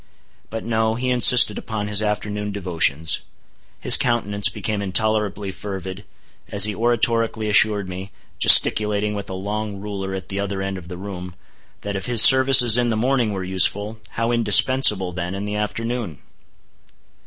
But no; he insisted upon his afternoon devotions. His countenance became intolerably fervid, as he oratorically assured me—gesticulating with a long ruler at the other end of the room—that if his services in the morning were useful, how indispensable, then, in the afternoon?